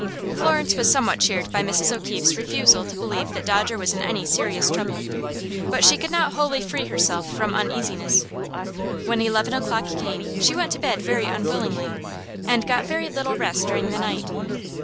Florence was somewhat cheered by Mrs. O'Keefe's refusal to believe that Dodger was in any serious trouble, but she could not wholly free herself from uneasiness. When eleven o'clock came she went to bed very unwillingly, and got very little rest during the night.